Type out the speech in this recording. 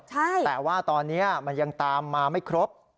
แต่ว่าตอนนี้มันยังตามมาไม่ครบ